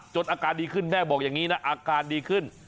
อาการดีขึ้นแม่บอกอย่างนี้นะอาการดีขึ้น